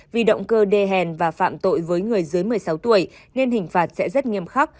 vì động cơ đê hèn và phạm tội với người dưới một mươi sáu tuổi nên hình phạt sẽ rất nghiêm khắc